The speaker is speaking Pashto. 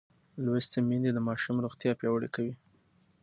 لوستې میندې د ماشوم روغتیا پیاوړې کوي.